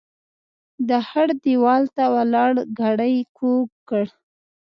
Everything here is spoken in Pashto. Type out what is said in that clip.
د خړ ديوال ته ولاړ ګړی کوږ کړ.